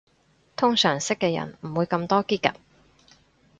通常識嘅人唔會咁多嘰趷